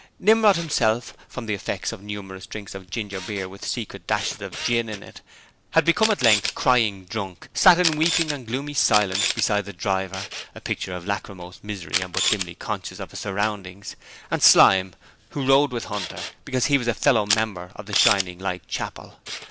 Nimrod himself, from the effects of numerous drinks of ginger beer with secret dashes of gin in it, had become at length crying drunk, and sat weeping in gloomy silence beside the driver, a picture of lachrymose misery and but dimly conscious of his surroundings, and Slyme, who rode with Hunter because he was a fellow member of the Shining Light Chapel.